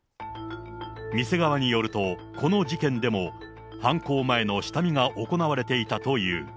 店側によると、この事件でも、犯行前の下見が行われていたという。